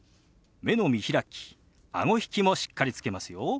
目の見開きあご引きもしっかりつけますよ。